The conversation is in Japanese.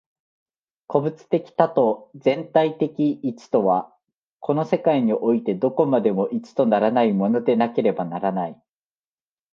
個物的多と全体的一とは、この世界においてどこまでも一とならないものでなければならない。